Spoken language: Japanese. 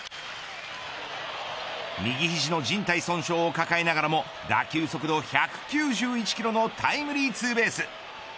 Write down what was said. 右肘の靭帯損傷を抱えながらも打球速度１９１キロのタイムリーツーベース。